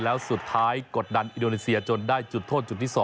แล้วสุดท้ายกดดันอินโดนีเซียจนได้จุดโทษจุดที่๒